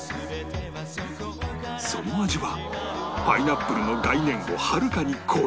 その味はパイナップルの概念をはるかに超え